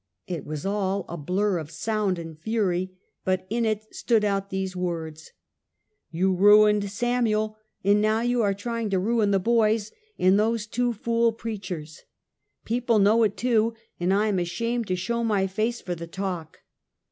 It was all a blur of sound and fury, but in it stood out these words :" You ruined Samuel, and now you are trying to ruin the boys and those two fool preachers. People know it, too, and I am ashamed to show my face for the talk."